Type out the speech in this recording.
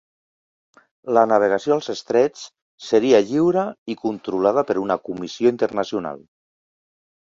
La navegació als Estrets seria lliure i controlada per una comissió internacional.